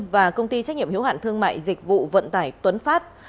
và công ty trách nhiệm hiếu hạn thương mại dịch vụ vận tải tuấn phát